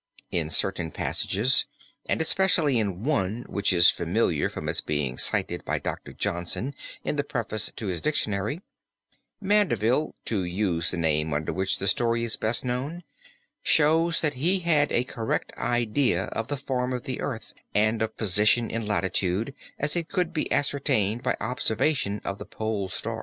In certain passages, and especially in one which is familiar from its being cited by Dr. Johnson in the preface to his dictionary, Mandeville, to use the name under which the story is best known, shows that he had a correct idea of the form of the earth and of position in latitude as it could be ascertained by observation of the Pole Star.